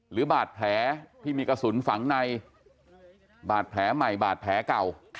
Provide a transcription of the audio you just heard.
หรือบาดแผลที่มีกระสุนฝังในบาดแผลใหม่บาดแผลเก่า